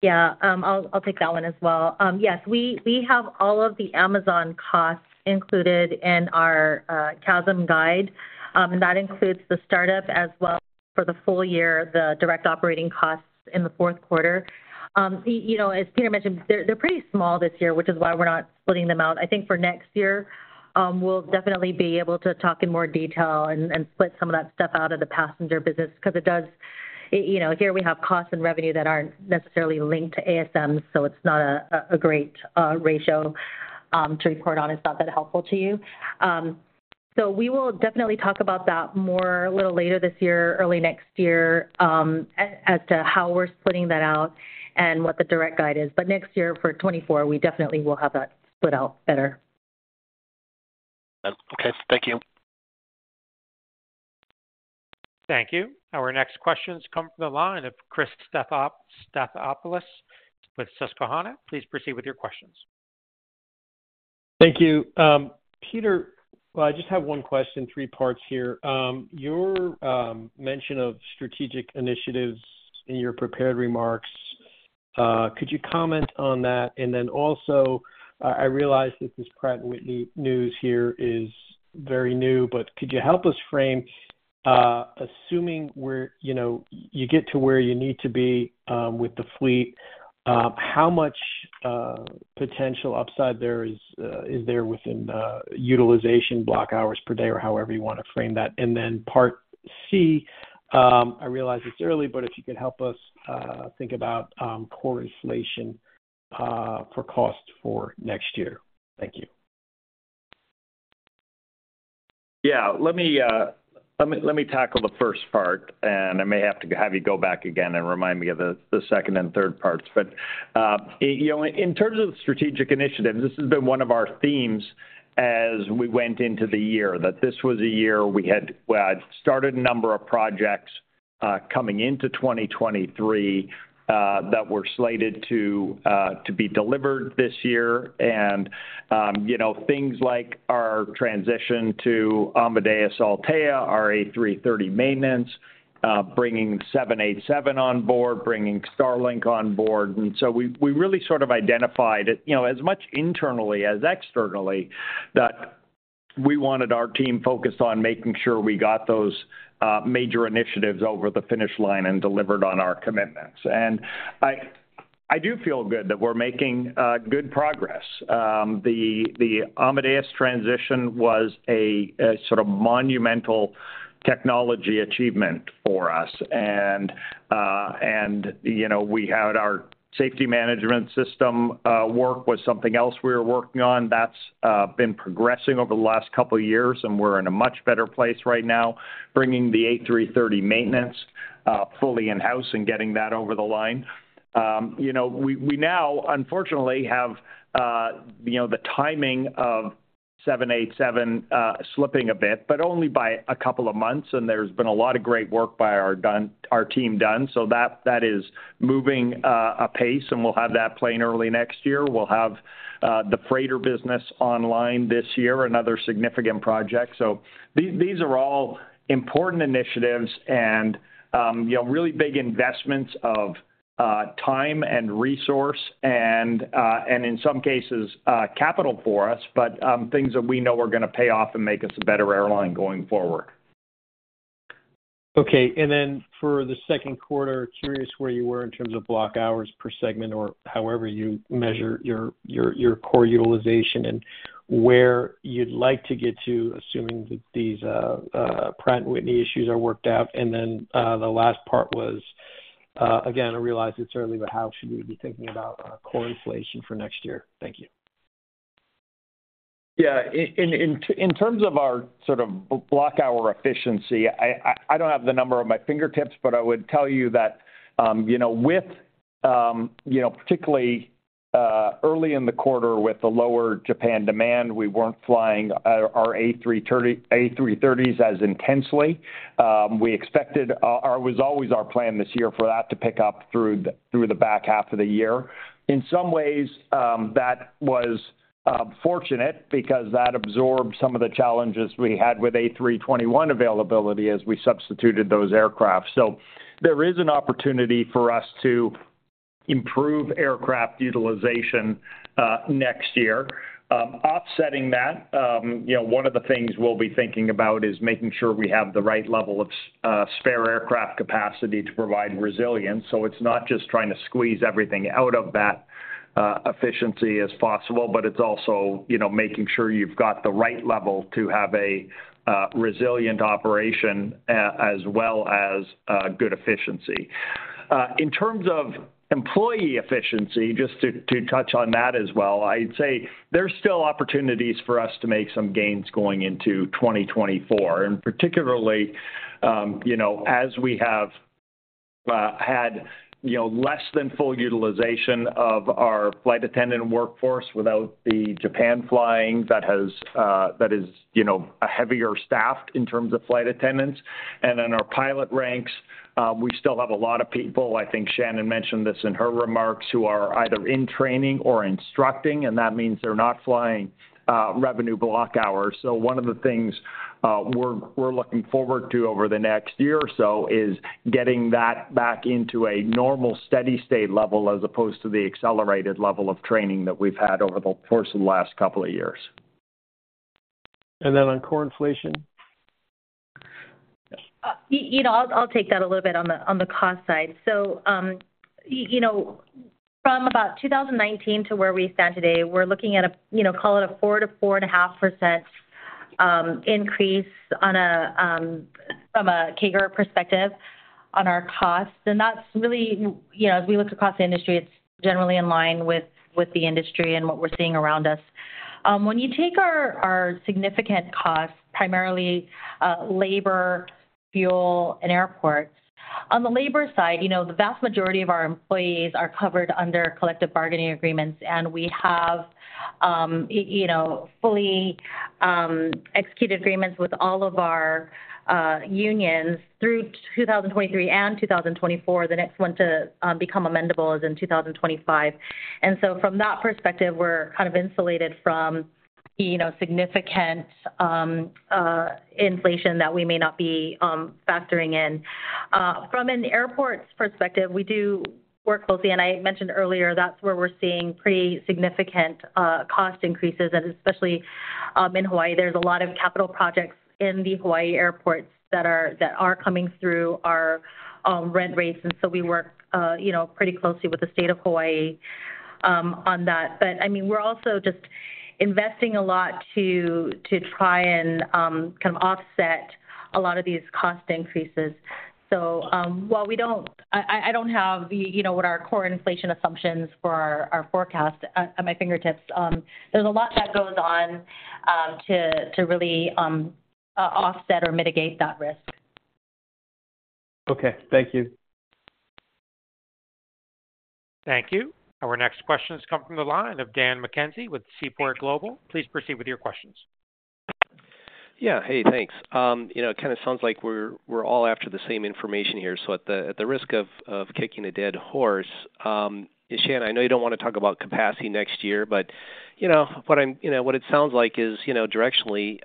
Yeah, I'll take that one as well. Yes, we have all of the Amazon costs included in our CASM guide, and that includes the startup as well for the full year, the direct operating costs in the fourth quarter. You know, as Peter mentioned, they're pretty small this year, which is why we're not splitting them out. I think for next year, we'll definitely be able to talk in more detail and split some of that stuff out of the passenger business because it does. You know, here we have costs and revenue that aren't necessarily linked to ASMs, so it's not a great ratio to report on. It's not that helpful to you. We will definitely talk about that more a little later this year, early next year, as to how we're splitting that out and what the direct guide is. Next year, for 2024, we definitely will have that split out better. Okay. Thank you. Thank you. Our next questions come from the line of Chris Stathoulopoulos with Susquehanna. Please proceed with your questions. Thank you. Peter, well, I just have one question, three parts here. Your mention of strategic initiatives in your prepared remarks, could you comment on that? I realize that this Pratt & Whitney news here is very new, but could you help us frame, assuming we're, you know, you get to where you need to be with the fleet, how much potential upside there is there within the utilization block hours per day, or however you want to frame that? Part C, I realize it's early, but if you could help us think about core inflation for cost for next year. Thank you. Yeah. Let me, let me tackle the first part, and I may have to have you go back again and remind me of the second and third parts. You know, in terms of strategic initiatives, this has been one of our themes as we went into the year, that this was a year we had started a number of projects coming into 2023 that were slated to be delivered this year. You know, things like our transition to Amadeus Altéa, our A330 maintenance, bringing 787 on board, bringing Starlink on board. We really sort of identified it, you know, as much internally as externally, that we wanted our team focused on making sure we got those major initiatives over the finish line and delivered on our commitments. I do feel good that we're making good progress. The Amadeus transition was a sort of monumental technology achievement for us, and, you know, we had our safety management system work was something else we were working on. That's been progressing over the last couple of years, and we're in a much better place right now, bringing the A330 maintenance fully in-house and getting that over the line. You know, we now unfortunately have, you know, the timing of 787 slipping a bit, but only by two months, and there's been a lot of great work by our team done. That is moving apace, and we'll have that plane early next year. We'll have the freighter business online this year, another significant project. These are all important initiatives and, you know, really big investments of time and resource and in some cases, capital for us, but things that we know are gonna pay off and make us a better airline going forward. Okay, for the second quarter, curious where you were in terms of block hours per segment, or however you measure your core utilization, and where you'd like to get to, assuming that these Pratt & Whitney issues are worked out. The last part was, again, I realize it's early, but how should we be thinking about core inflation for next year? Thank you. Yeah. In terms of our sort of block hour efficiency, I don't have the number on my fingertips, but I would tell you that, particularly early in the quarter with the lower Japan demand, we weren't flying our A330s as intensely. We expected, or it was always our plan this year for that to pick up through the back half of the year. In some ways, that was fortunate because that absorbed some of the challenges we had with A321 availability as we substituted those aircraft. There is an opportunity for us to improve aircraft utilization next year. Offsetting that, one of the things we'll be thinking about is making sure we have the right level of spare aircraft capacity to provide resilience. It's not just trying to squeeze everything out of that efficiency as possible, but it's also, you know, making sure you've got the right level to have a resilient operation as well as good efficiency. In terms of employee efficiency, just to touch on that as well, I'd say there's still opportunities for us to make some gains going into 2024. Particularly, you know, as we have had, you know, less than full utilization of our flight attendant workforce without the Japan flying, that has, that is, you know, a heavier staffed in terms of flight attendants. Our pilot ranks, we still have a lot of people, I think Shannon mentioned this in her remarks, who are either in training or instructing, and that means they're not flying revenue block hours. One of the things, we're looking forward to over the next year or so is getting that back into a normal, steady state level, as opposed to the accelerated level of training that we've had over the course of the last couple of years. On core inflation? You know, I'll take that a little bit on the cost side. You know, from about 2019 to where we stand today, we're looking at a, you know, call it a 4 to 4.5% increase from a CAGR perspective on our costs. That's really, you know, as we look across the industry, it's generally in line with the industry and what we're seeing around us. When you take our significant costs, primarily labor, fuel, and airports. On the labor side, you know, the vast majority of our employees are covered under collective bargaining agreements, and we have, you know, fully executed agreements with all of our unions through 2023 and 2024. The next one to become amendable is in 2025. From that perspective, we're kind of insulated from the, you know, significant inflation that we may not be factoring in. From an airports perspective, we do work closely, and I mentioned earlier that's where we're seeing pretty significant cost increases. Especially in Hawaii, there's a lot of capital projects in the Hawaii airports that are coming through our rent rates. We work, you know, pretty closely with the state of Hawaii on that. I mean, we're also just investing a lot to try and kind of offset a lot of these cost increases. While I don't have the, you know, what our core inflation assumptions for our forecast at my fingertips, there's a lot that goes on to really offset or mitigate that risk. Okay. Thank you. Thank you. Our next question has come from the line of Dan McKenzie with Seaport Global. Please proceed with your questions. Yeah. Hey, thanks. You know, it kind of sounds like we're all after the same information here. At the, at the risk of kicking a dead horse, Shannon, I know you don't want to talk about capacity next year, but, you know, what it sounds like is, you know, directionally,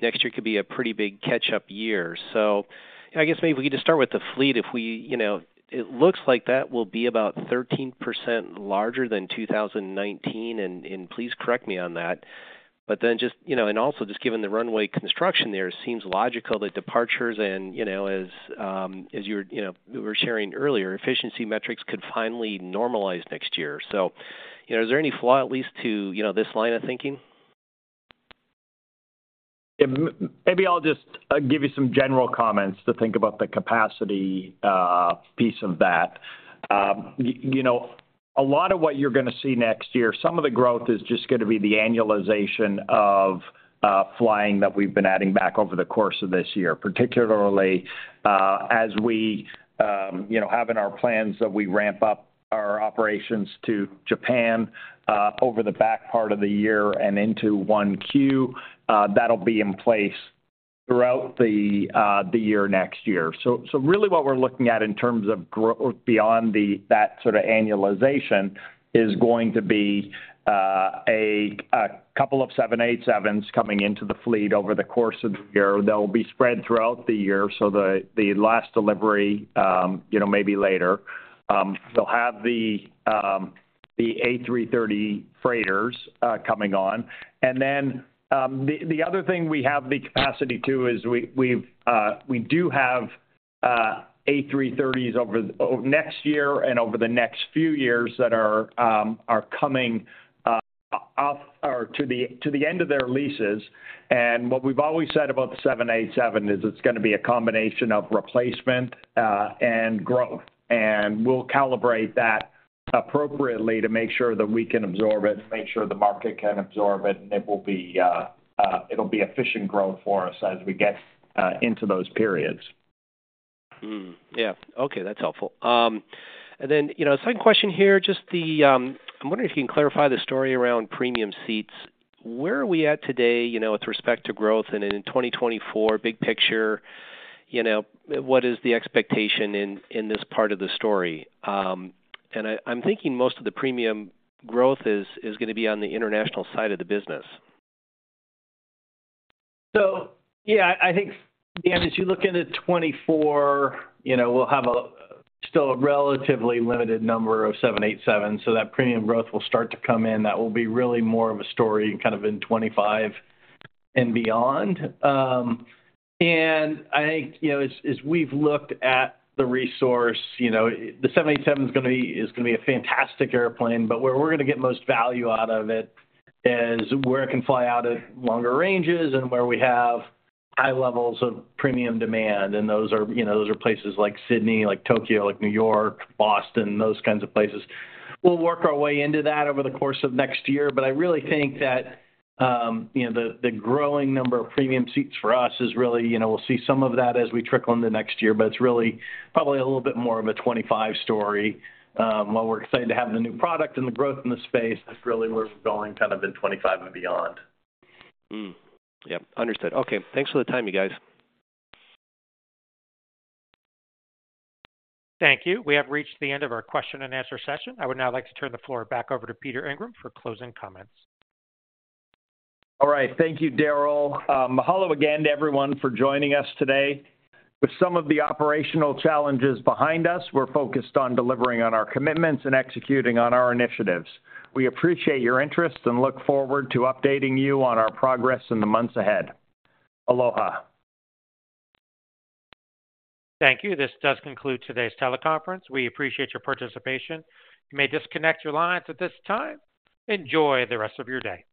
next year could be a pretty big catch-up year. I guess maybe if we could just start with the fleet. If we, you know, it looks like that will be about 13% larger than 2019, and please correct me on that. Just, you know, and also just given the runway construction there, it seems logical that departures and, you know, as you were, you know, you were sharing earlier, efficiency metrics could finally normalize next year. Is there any flaw at least to, you know, this line of thinking? Maybe I'll just give you some general comments to think about the capacity piece of that. You know, a lot of what you're gonna see next year, some of the growth is just gonna be the annualization of flying that we've been adding back over the course of this year. Particularly, as we, you know, have in our plans that we ramp up our operations to Japan over the back part of the year and into 1Q, that'll be in place throughout the year, next year. Really what we're looking at in terms of grow-- beyond the, that sort of annualization, is going to be a couple of 787s coming into the fleet over the course of the year. They'll be spread throughout the year. The last delivery, you know, maybe later. They'll have the A330 freighters coming on. Then the other thing we have the capacity to is we've, we do have A330s over next year and over the next few years that are coming off or to the end of their leases. What we've always said about the 787 is it's gonna be a combination of replacement and growth. We'll calibrate that appropriately to make sure that we can absorb it and make sure the market can absorb it, and it will be, it'll be efficient growth for us as we get into those periods. Yeah. Okay, that's helpful. You know, second question here, just the... I'm wondering if you can clarify the story around premium seats. Where are we at today, you know, with respect to growth? In 2024, big picture, you know, what is the expectation in this part of the story? I'm thinking most of the premium growth is gonna be on the international side of the business. Yeah, I think, Dan McKenzie, as you look into 2024, you know, we'll have a still a relatively limited number of 787s, that premium growth will start to come in. That will be really more of a story kind of in 2025 and beyond. I think, you know, as we've looked at the resource, you know, the 787 is gonna be a fantastic airplane, where we're gonna get most value out of it is where it can fly out at longer ranges and where we have high levels of premium demand. Those are, you know, those are places like Sydney, like Tokyo, like New York, Boston, those kinds of places. We'll work our way into that over the course of next year, but I really think that, you know, the growing number of premium seats for us is really, you know, we'll see some of that as we trickle into next year, but it's really probably a little bit more of a 25 story. While we're excited to have the new product and the growth in the space, that's really where it's going, kind of in 25 and beyond. Yep, understood. Okay. Thanks for the time, you guys. Thank you. We have reached the end of our question and answer session. I would now like to turn the floor back over to Peter Ingram for closing comments. All right. Thank you, Daryl. mahalo again to everyone for joining us today. With some of the operational challenges behind us, we're focused on delivering on our commitments and executing on our initiatives. We appreciate your interest and look forward to updating you on our progress in the months ahead. Aloha! Thank you. This does conclude today's teleconference. We appreciate your participation. You may disconnect your lines at this time. Enjoy the rest of your day.